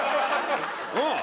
うん！